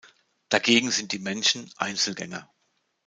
Dagegen sind die Männchen Einzelgänger.